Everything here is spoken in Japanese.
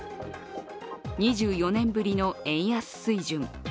２４年ぶりの円安水準。